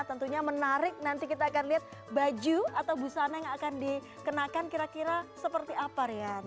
tentunya menarik nanti kita akan lihat baju atau busana yang akan dikenakan kira kira seperti apa rian